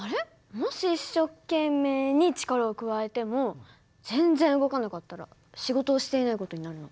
もし一生懸命に力を加えても全然動かなかったら仕事をしていない事になるの？